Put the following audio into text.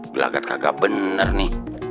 gelagat kagak bener nih